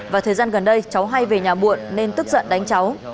và thời gian gần đây cháu hay về nhà muộn nên tức giận đánh cháu